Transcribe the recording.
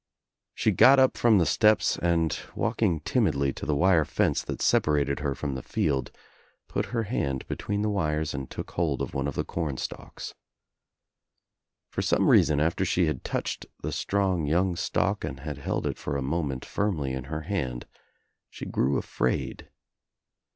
She got up from the steps and, walking timidly to the wire fence that separated her from the field, put her hand between the wires and took hold of one of the com stalks. For some reason after she had touched the strong young stalk and had held it for a moment firmly in her hand she grew afraid.